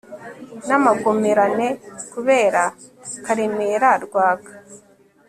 n'amagomerane kubera karemera rwaka